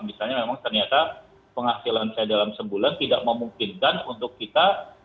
misalnya memang ternyata penghasilan saya dalam sebulan tidak memungkinkan untuk kita